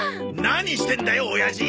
何してんだよ親父！